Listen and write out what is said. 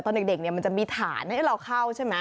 ตอนเด็กเนี่ยมันจะมีฐานให้เราเข้าใช่ไหม